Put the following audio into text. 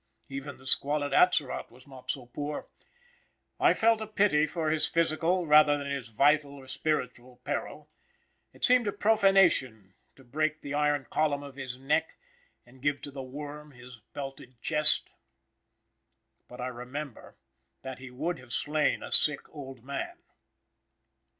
Even the squalid Atzerott was not so poor. I felt a pity for his physical rather than his vital or spiritual peril. It seemed a profanation to break the iron column of his neck, and give to the worm his belted chest. But I remember that he would have slain a sick old man.